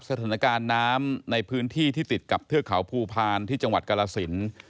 สถานการณ์น้ำในพื้นที่ที่ติดกับเทือกเขาภูพาลที่จังหวัดกรสิน